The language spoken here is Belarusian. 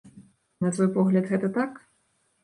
На твой погляд, гэта так?